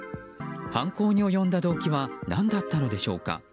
犯行に及んだ動機は何だったのでしょうか。